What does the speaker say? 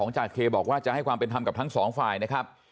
จากเคบอกว่าจะให้ความเป็นธรรมกับทั้งสองฝ่ายนะครับ